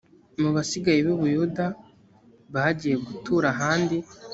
mu basigaye b’i buyuda bagiye gutura ahandi